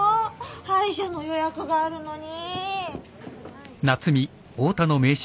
歯医者の予約があるのに。